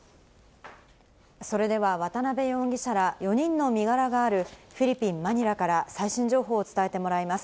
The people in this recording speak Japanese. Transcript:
それでは渡辺容疑者ら４人の身柄がある、フィリピン・マニラから最新情報を伝えてもらいます。